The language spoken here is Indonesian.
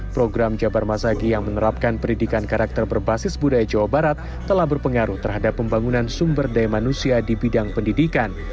program jabar masagi yang menerapkan pendidikan karakter berbasis budaya jawa barat telah berpengaruh terhadap pembangunan sumber daya manusia di bidang pendidikan